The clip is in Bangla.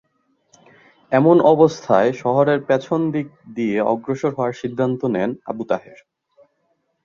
এমন অবস্থায় শহরের পেছন দিক দিয়ে অগ্রসর হওয়ার সিদ্ধান্ত নেন আবু তাহের।